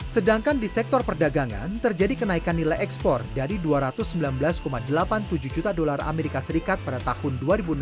sedangkan di sektor perdagangan terjadi kenaikan nilai ekspor dari dua ratus sembilan belas delapan puluh tujuh juta dolar as pada tahun dua ribu enam belas